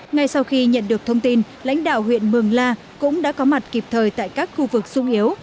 ngay sau khi nhận được thông tin lãnh đạo huyện mường la cũng đã có mặt kịp thời tại các khu vực sung yếu